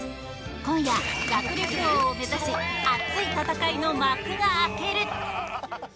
今夜、学力王を目指し熱い戦いの幕が開ける！